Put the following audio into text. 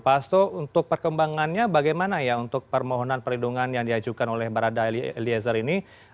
pak hasto untuk perkembangannya bagaimana ya untuk permohonan perlindungan yang diajukan oleh barada eliezer ini